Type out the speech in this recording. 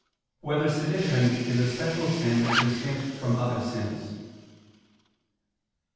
1] Whether Sedition Is a Special Sin Distinct from Other Sins?